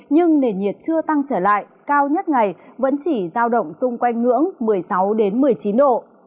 nhưng nền nhiệt chưa tăng trở lại cao nhất ngày vẫn chỉ giao động xung quanh ngưỡng một mươi sáu một mươi chín độ